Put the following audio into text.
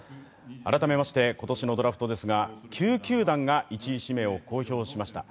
改めまして今年のドラフトですが、９球団が１位指名を公表しました。